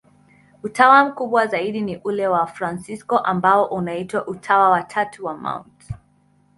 Utawa mkubwa zaidi ni ule wa Wafransisko, ambao unaitwa Utawa wa Tatu wa Mt.